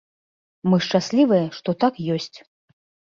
Мы шчаслівыя, што так ёсць.